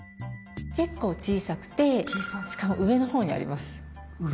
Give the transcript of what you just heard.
結構小さくてしかも上のほうにあります。